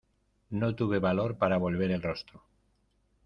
No tuve valor para volver el rostro.